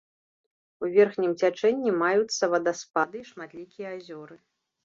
У верхнім цячэнні маюцца вадаспады і шматлікія азёры.